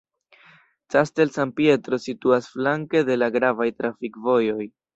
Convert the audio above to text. Castel San Pietro situas flanke de la gravaj trafikvojoj.